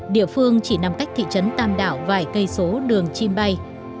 địa phương chỉ nằm cách thị trấn tam đảo vài cây số đường chim bay